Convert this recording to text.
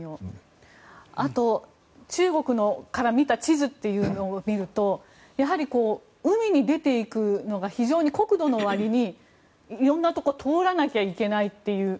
あと、中国から見た地図というのを見るとやはり海に出ていくのが非常に国土のわりに色んなところを通らないといけないという。